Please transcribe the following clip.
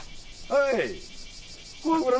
はい。